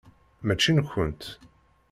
Mačči nkent.